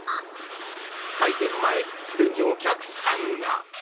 開店前、すでにお客さんが。